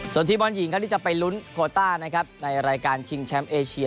ส่วนทีมบอลหญิงครับที่จะไปลุ้นโคต้านะครับในรายการชิงแชมป์เอเชีย